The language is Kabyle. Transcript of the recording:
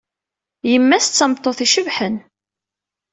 Yemma-s d tameṭṭut icebḥen.